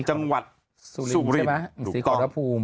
จังหวัดสุรินถูกต้อง